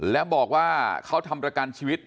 และบอกว่าเขาทำประกันชีวิต